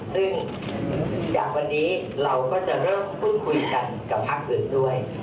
ซึ่งจากวันนี้เราก็จะเริ่มพูดคุยกันกับพักอื่นด้วย